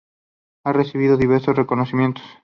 Ha recibido diversos reconocimientos.